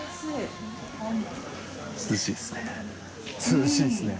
涼しいですね」